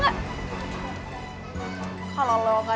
saya selalu bersepaknya